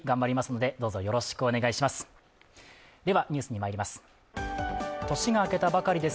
では、ニュースにまいります。